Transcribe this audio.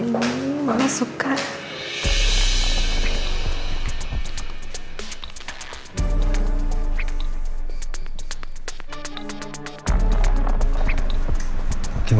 gimana kondisi adin sekarang ya